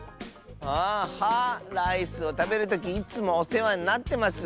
あ「は」。ライスをたべるときいつもおせわになってます！